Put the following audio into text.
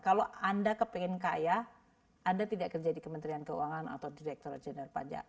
kalau anda kepengen kaya anda tidak kerja di kementerian keuangan atau direktur jenderal pajak